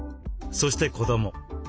そして子ども。